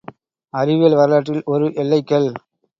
அறிவியல் வரலாற்றில் ஒர் எல்லைக் கல்.